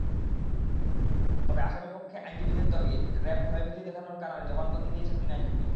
তবে আসামিপক্ষের আইনজীবীদের দাবি, র্যাব ভয়ভীতি দেখানোর কারণে জবানবন্দি দিয়েছেন তিন আইনজীবী।